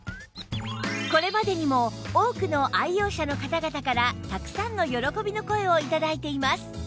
これまでにも多くの愛用者の方々からたくさんの喜びの声を頂いています